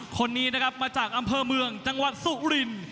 คนนี้นะครับมาจากอำเภอเมืองจังหวัดสุริน